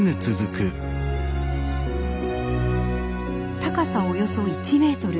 高さおよそ１メートル。